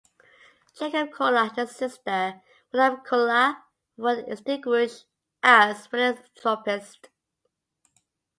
Jacob Kaulla and his sister Madame Kaulla were distinguished as philanthropists.